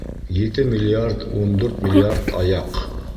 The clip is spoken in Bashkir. Ете миллиард, ун дүрт миллиард аяҡ...